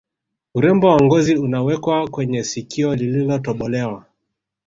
Urembo wa ngozi unawekwa kwenye sikio lilotobolewa